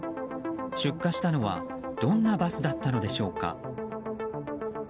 出火したのはどんなバスだったのでしょうか。